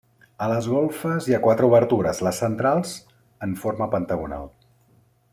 A les golfes hi ha quatre obertures, les centrals en forma pentagonal.